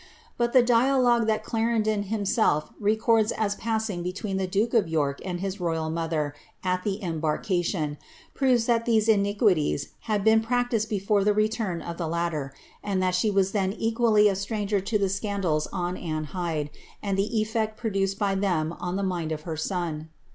But the dialogue that Clarendon himself records as parsing between tlie duke of York and his royal mother at the embarka tion, proves that these iniquities had been practised before the return of the latter, and that she was then equally a stranger to the scandals on .^ne Hyde, and the effect produced by them on the mind of her son.